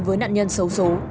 với nạn nhân xấu xấu